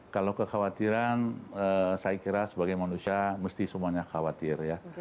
kalau kekhawatiran saya kira sebagai manusia mesti semuanya khawatir ya